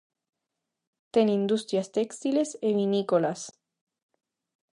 Ten industrias téxtiles e vinícolas.